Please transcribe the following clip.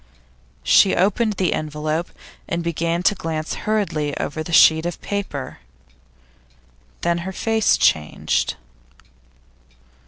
She opened the envelope, and began to glance hurriedly over the sheet of paper. Then her face changed.